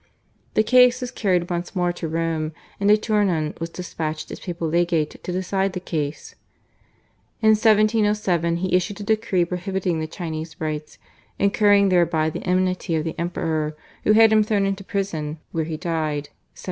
The case was carried once more to Rome, and de Tournon was despatched as papal legate to decide the case. In 1707 he issued a decree prohibiting the Chinese Rites, incurring thereby the enmity of the Emperor, who had him thrown into prison where he died (1710).